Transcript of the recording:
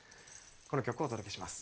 この曲をお届けします。